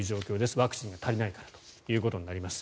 ワクチンが足りないからということになります。